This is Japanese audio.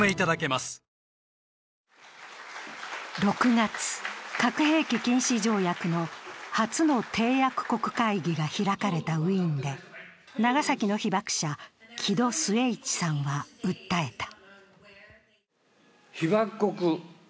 ６月、核兵器禁止条約の初の締約国会議が開かれたウィーンで長崎の被爆者・木戸季市さんは訴えた。